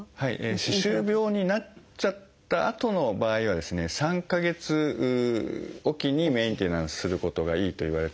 歯周病になっちゃったあとの場合はですね３か月置きにメンテナンスすることがいいといわれてます。